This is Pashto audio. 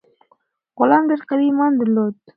غلام ډیر قوي ایمان درلود.